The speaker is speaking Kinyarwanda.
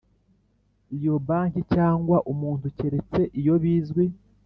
iyo banki cyangwa umuntu keretse iyo bizwi